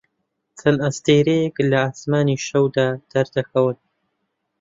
چەند ئەستێرەیەک لە ئاسمانی شەودا دەردەکەون.